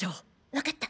わかった！